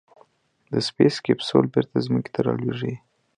د سپېس کیپسول بېرته ځمکې ته رالوېږي.